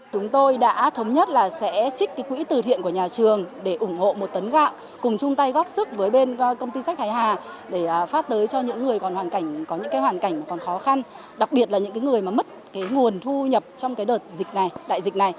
chúng tôi đã thống nhất là sẽ trích cái quỹ từ thiện của nhà trường để ủng hộ một tấn gạo cùng chung tay góp sức với bên công ty sách thái hà để phát tới cho những người còn hoàn cảnh có những hoàn cảnh còn khó khăn đặc biệt là những người mà mất cái nguồn thu nhập trong cái đợt dịch này đại dịch này